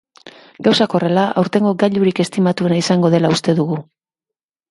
Gauzak horrela, aurtengo gailurik estimatuena izango dela uste dugu.